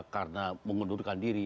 karena mengundurkan diri